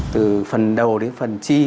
từ phần đầu đến phần chi